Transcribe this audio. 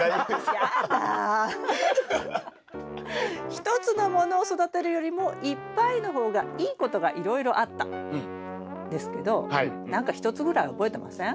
１つのものを育てるよりもいっぱいの方がいいことがいろいろあったんですけど何か１つぐらい覚えてません？